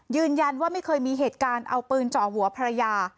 ยืนยันว่าไม่เคยมีเหตุการณ์เอาปืนเจาะหัวภรรยา